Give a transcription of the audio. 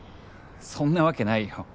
そんなわけないよ。